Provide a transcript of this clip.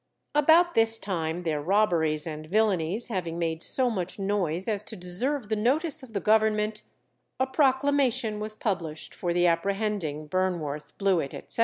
About this time their robberies and villainies having made so much noise as to deserve the notice of the Government, a proclamation was published for the apprehending Burnworth, Blewit, etc.